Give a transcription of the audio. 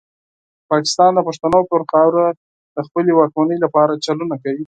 پاکستان د پښتنو پر خاوره د خپلې واکمنۍ لپاره چلونه کوي.